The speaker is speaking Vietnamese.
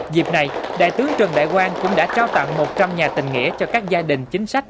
dịp này đại tướng trần đại quang cũng đã trao tặng một trăm linh nhà tình nghĩa cho các gia đình chính sách